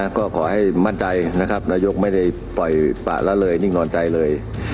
ก็ขอให้มั่นใจนะครับนายกไม่ได้ปล่อยปะละเลยนิ่งนอนใจเลย